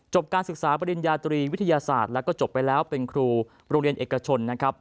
การศึกษาปริญญาตรีวิทยาศาสตร์แล้วก็จบไปแล้วเป็นครูโรงเรียนเอกชนนะครับ